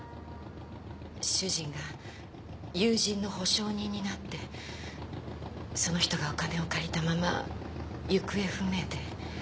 主人が友人の保証人になってその人がお金を借りたまま行方不明で。